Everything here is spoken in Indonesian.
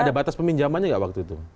ada batas peminjamannya nggak waktu itu